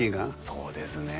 そうですね。